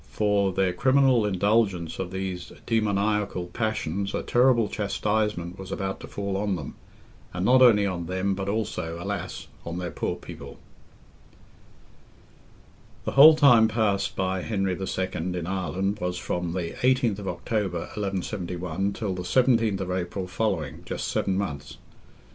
For their criminal indulgence of these demoniacal passions a terrible chastisement was about to fall on them, and not only on them, but also, alas! on their poor people. The whole time passed by Henry II. in Ireland was from the 18th October, 1171, till the 17th of April following, just seven months.